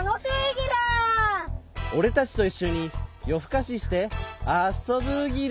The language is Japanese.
おれたちといっしょによふかししてあそぶギラ。